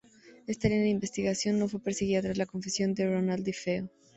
Esta línea de investigación no fue perseguida tras la confesión de Ronald DeFeo.